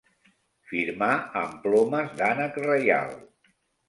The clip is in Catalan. Firmar amb plomes d'ànec reial.